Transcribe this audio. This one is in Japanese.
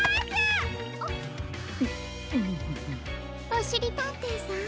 おしりたんていさん